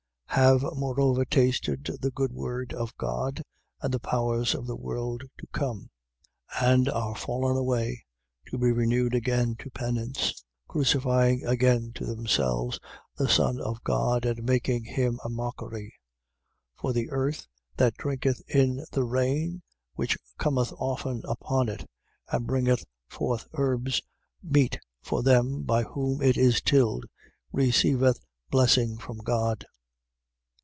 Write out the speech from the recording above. Have moreover tasted the good word of God and the powers of the world to come, 6:6. And are fallen away: to be renewed again to penance, crucifying again to themselves the Son of God and making him a mockery. 6:7. For the earth, that drinketh in the rain which cometh often upon it and bringeth forth herbs meet for them by whom it is tilled, receiveth blessing from God.